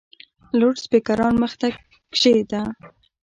لوډسپیکران مخ ته کښېږده !